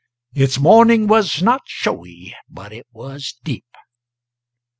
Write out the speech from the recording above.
Its mourning was not showy, but it was deep.